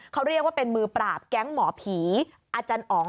เขาเรียกว่าเป็นมือปราบแก๊งหมอผีอาจารย์อ๋อง